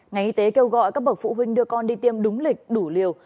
ngành y tế kêu gọi các bậc phụ huynh đưa con đi tiêm đúng lịch đủ liều